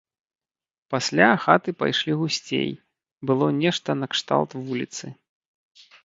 Пасля хаты пайшлі гусцей, было нешта накшталт вуліцы.